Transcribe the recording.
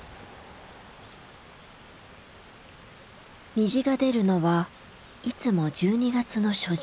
虹が出るのはいつも１２月の初旬。